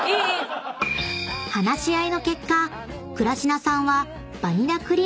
［話し合いの結果倉科さんは］